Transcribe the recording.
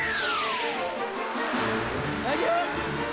ありゃ？